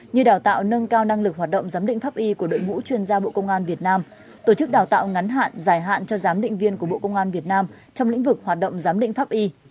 như đào tạo nâng cao năng lực hoạt động giám định pháp y của đội ngũ chuyên gia bộ công an việt nam tổ chức đào tạo ngắn hạn dài hạn cho giám định viên của bộ công an việt nam trong lĩnh vực hoạt động giám định pháp y